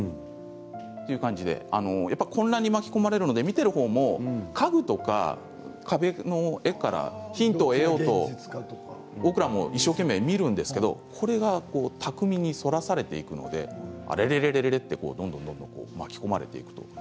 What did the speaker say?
そういう感じでこんなに巻き込まれるので見ているほうも家具とか壁の絵からヒントを得ようと僕らも一生懸命、見るんですけどこれが巧みにそらされていくのであれれれれ？と巻き込まれていくと。